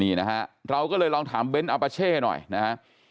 นี่นะฮะเราก็เลยลองถามเบ้นอัปเช่หน่อยนะฮะ